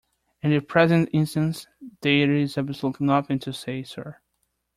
In the present instance, there is absolutely nothing to say 'Sir?'